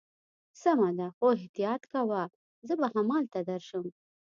سمه ده، خو احتیاط کوه، زه به همالته درشم.